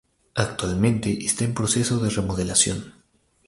Actualmente está en proceso de remodelación.